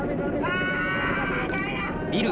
ビル